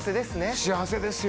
幸せですよ。